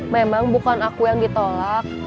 memang bukan aku yang ditolak